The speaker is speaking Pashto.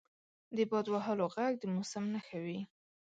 • د باد وهلو ږغ د موسم نښه وي.